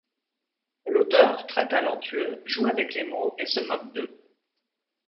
L'auteur, très talentueux, joue avec les mots et se moque d'eux.